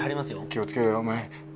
気を付けろよお前。